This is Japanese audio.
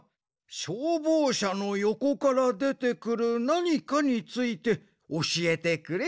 しょうぼうしゃのよこからでてくるなにかについておしえてくれ。